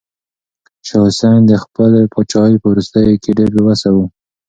شاه حسين د خپلې پاچاهۍ په وروستيو کې ډېر بې وسه و.